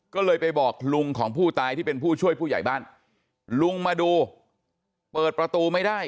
ก็เลยไปบอกลุงของผู้ตายที่เป็นผู้ช่วยผู้ใหญ่บ้านลุงมาดูเปิดประตูไม่ได้